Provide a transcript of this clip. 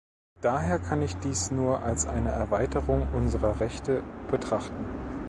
Daher kann ich dies nur als eine Erweiterung unserer Rechte betrachten.